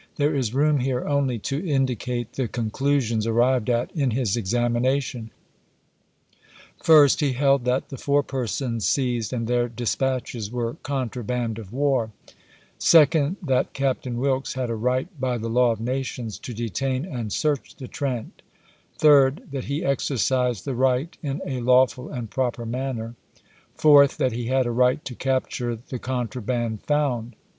There is room here only to indicate the conclusions arrived at in his examination. First, he held that the four persons seized and their dispatches were contraband of war; second, that Captain Wilkes had a right by the law of nations to detain and search the Trent; third, that he exercised the right in a lawful and proper manner ; fourth, that he had a right to capture the contraband found.